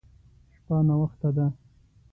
شپه ناوخته ده.